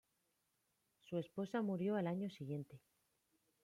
Su esposa murió al año siguiente.